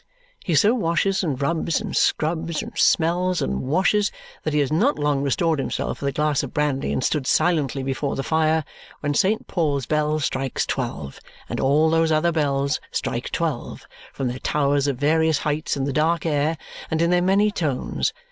He so washes, and rubs, and scrubs, and smells, and washes, that he has not long restored himself with a glass of brandy and stood silently before the fire when Saint Paul's bell strikes twelve and all those other bells strike twelve from their towers of various heights in the dark air, and in their many tones.